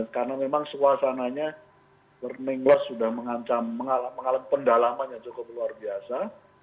karena memang suasananya perningguas sudah mengalami pendalaman yang cukup luar biasa